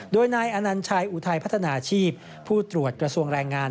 โดยนายอนัญชัยอุทัยพัฒนาชีพผู้ตรวจกระทรวงแรงงาน